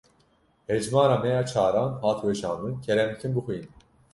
Hejmara me ya çaran hat weşandin. Kerem bikin bixwînin.